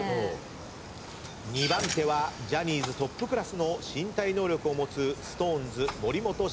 ２番手はジャニーズトップクラスの身体能力を持つＳｉｘＴＯＮＥＳ森本慎太郎です。